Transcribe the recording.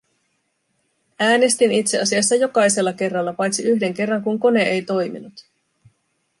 Äänestin itse asiassa jokaisella kerralla paitsi yhden kerran, kun kone ei toiminut.